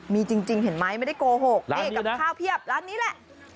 มีจริงเห็นไหมไม่ได้โกหกนี่กับข้าวเพียบร้านนี้แหละ